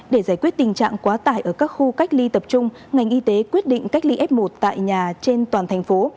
để giải quyết tình trạng quá tải ở các khu cách ly tập trung ngành y tế quyết định cách ly f một tại nhà trên toàn thành phố